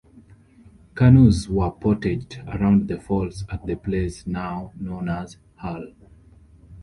Canoes were portaged around the falls at the place now known as Hull.